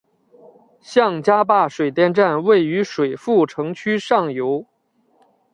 向家坝水电站位于水富城区上游。